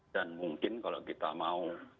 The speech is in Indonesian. dan mungkin kalau kita mau